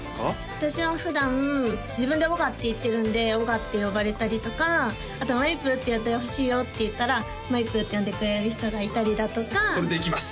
私は普段自分で「おが」って言ってるんでおがって呼ばれたりとかあと「まみぷー」って言ってほしいよって言ったらまみぷーって呼んでくれる人がいたりだとかそれでいきます